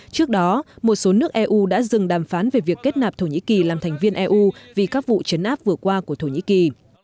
trước đó một số nước eu đã dừng đàm phán về việc kết nạp thổ nhĩ kỳ làm thành viên eu vì các vụ chấn áp vừa qua của thổ nhĩ kỳ